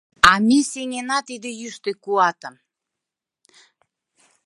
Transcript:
А ме сеҥена тиде йӱштӧ куатым!